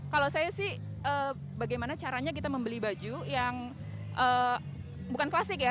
kalau saya sih bagaimana caranya kita membeli baju yang bukan klasik ya